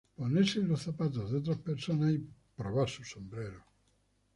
Ponerse en los zapatos de otras personas, y "probar sus sombreros"".